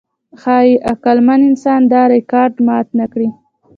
ښایي عقلمن انسان دا ریکارډ مات نهکړي.